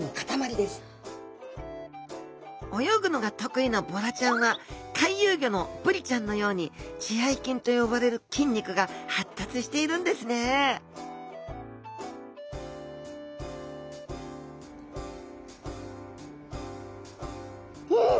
泳ぐのが得意なボラちゃんは回遊魚のブリちゃんのように血合筋と呼ばれる筋肉が発達しているんですねん！